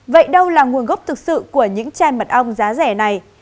vậy đâu là nguồn gốc thực sự của những chai mật ong giá rẻ này